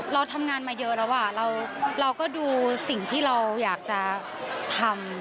เราทำงานมาเยอะแล้วเราก็ดูสิ่งที่เราอยากจะทำ